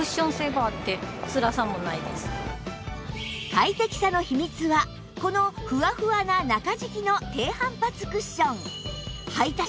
快適さの秘密はこのふわふわな中敷きの低反発クッション